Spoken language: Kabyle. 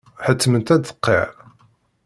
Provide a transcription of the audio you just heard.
Ḥettmen-tt ad d-tqirr.